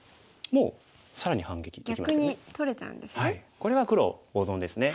これは黒大損ですね。